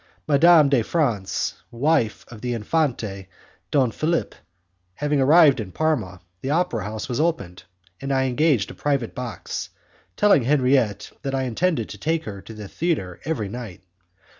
Madame de France, wife of the Infante Don Philip, having arrived in Parma, the opera house was opened, and I engaged a private box, telling Henriette that I intended to take her to the theatre every night.